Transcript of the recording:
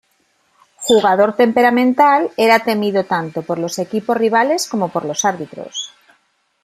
Jugador temperamental, era temido tanto por los equipos rivales como por los árbitros.